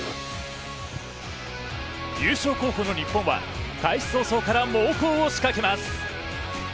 優勝候補の日本は開始早々から猛攻を仕掛けます。